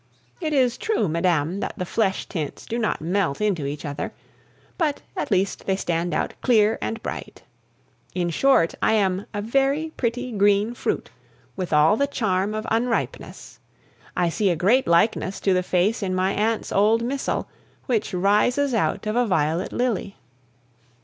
It is true, madame, that the flesh tints do not melt into each other; but, at least, they stand out clear and bright. In short, I am a very pretty green fruit, with all the charm of unripeness. I see a great likeness to the face in my aunt's old missal, which rises out of a violet lily.